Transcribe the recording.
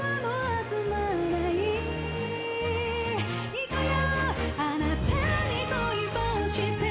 いくよ！